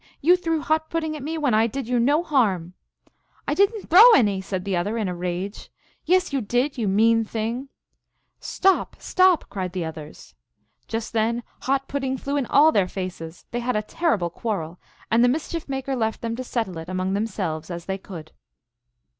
You threw hot pudding at me, when I did you no harm." " I did n t throw any !" said the other, in a rage. " Yes, you did, you mean thing !" "Stop! stop!" cried the others. Just then hot pudding flew in all their faces ; they had a terrible quarrel, and the Mischief Maker left them to settle it among themselves as they could.